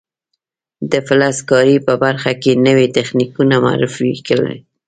د فلز کارۍ په برخه کې نوي تخنیکونه معرفي کړل.